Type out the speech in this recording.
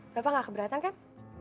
bapak gak keberatan kan